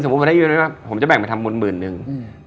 สมมุติว่าผมได้อีเวนต์มาผมจะแบ่งมาทำบุญหมื่นนึงอืม